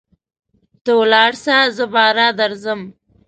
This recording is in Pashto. ته ولاړسه زه باره درځم.